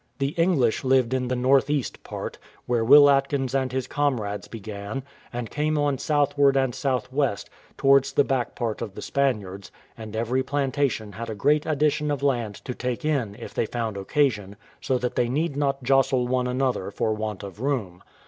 The English lived in the north east part, where Will Atkins and his comrades began, and came on southward and south west, towards the back part of the Spaniards; and every plantation had a great addition of land to take in, if they found occasion, so that they need not jostle one another for want of room.